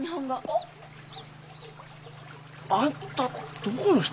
ああんたどこの人？